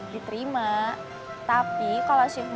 diterima tapi kalo siu malem